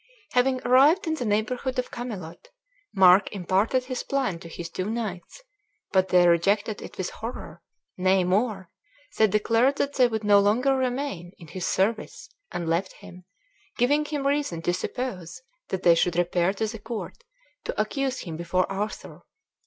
Having arrived in the neighborhood of Camelot, Mark imparted his plan to his two knights, but they rejected it with horror; nay, more, they declared that they would no longer remain in his service; and left him, giving him reason to suppose that they should repair to the court to accuse him before Arthur.